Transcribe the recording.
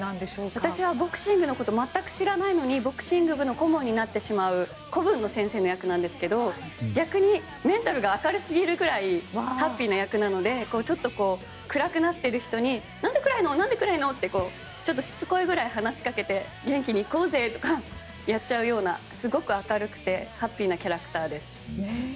私はボクシングのことを全く知らないのにボクシング部の顧問になってしまう古文の先生の役なんですが逆にメンタルが明るすぎるぐらいハッピーな役なのでちょっと暗くなっている人になんで暗いの？ってちょっとしつこいぐらい話しかけて元気に行こうぜとかやっちゃうようなすごく明るくてハッピーなキャラクターです。